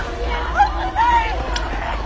危ない！